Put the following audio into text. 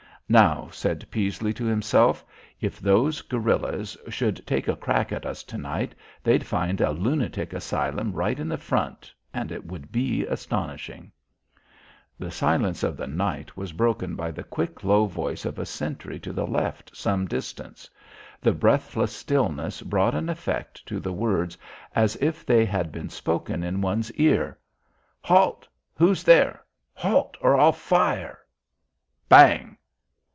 "Now," said Peasley to himself, "if those guerillas should take a crack at us to night, they'd find a lunatic asylum right in the front and it would be astonishing." The silence of the night was broken by the quick low voice of a sentry to the left some distance. The breathless stillness brought an effect to the words as if they had been spoken in one's ear. "Halt who's there halt or I'll fire!" Bang!